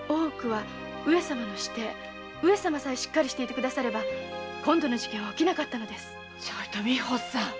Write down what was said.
上様さえしっかりしていてくだされば今度の事件は起きなかったのです美保さん